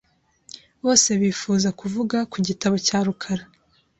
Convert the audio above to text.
Bose bifuza kuvuga ku gitabo cya rukara .